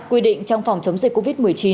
quy định trong phòng chống dịch covid một mươi chín